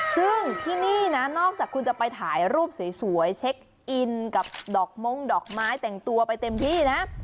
ซึ่งที่นี่นะนอกจากคุณจะไปถ่ายรูปสวยเช็คอินกับดอกม้งดอกไม้แต่งตัวไปเต็มที่นะ